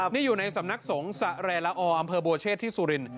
นี่อยู่ในสำนักสงฆ์สแรละออำเภอบัวเชษที่สุรินท